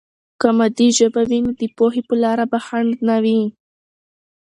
که مادي ژبه وي، نو د پوهې په لاره به خنډ نه وي.